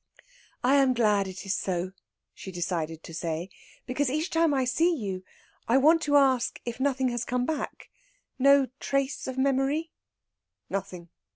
"I am glad it is so," she decided to say. "Because each time I see you, I want to ask if nothing has come back no trace of memory?" "Nothing!